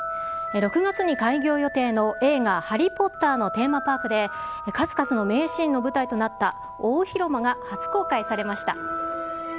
６月に開業予定の映画、ハリー・ポッターのテーマパークで、数々の名シーンの舞台となった大広間が初公開されました。